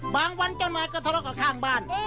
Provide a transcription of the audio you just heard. บางวันเจ้านายก็ทะเลาะกับข้างบ้าน